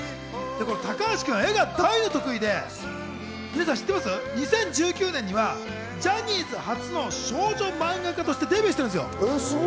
高橋君は絵が大の得意で、２０１９年にはジャニーズ初の少女漫画家としてデビューしているんですよ。